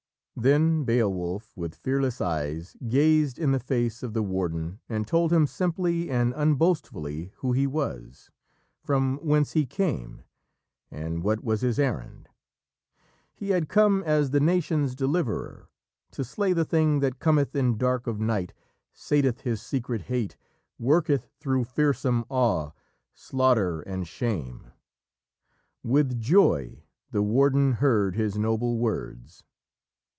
Then Beowulf, with fearless eyes, gazed in the face of the warden and told him simply and unboastfully who he was, from whence he came, and what was his errand. He had come as the nation's deliverer, to slay the thing that "Cometh in dark of night, sateth his secret hate, Worketh through fearsome awe, slaughter and shame." With joy the warden heard his noble words.